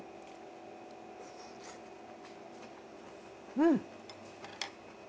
うん。